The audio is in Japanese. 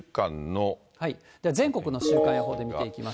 全国の週間予報で見ていきま